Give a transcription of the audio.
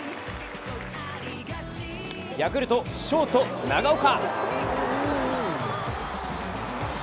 ヤクルト、ショート・長岡。